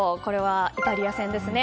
イタリア戦ですね。